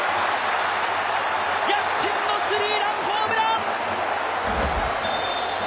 逆転のスリーランホームラン！